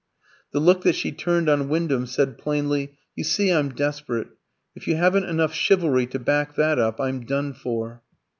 The look that she turned on Wyndham said plainly, "You see I'm desperate. If you haven't enough chivalry to back that up, I'm done for."